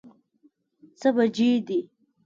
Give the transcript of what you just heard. څه بجې دي؟